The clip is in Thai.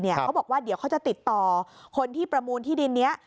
เขาบอกว่าเดี๋ยวเขาจะติดต่อคนที่ประมูลที่ดินนี้